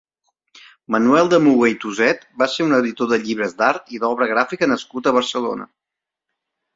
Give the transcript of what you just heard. Manuel de Muga i Toset va ser un editor de llibres d'art i d'obra gràfica nascut a Barcelona.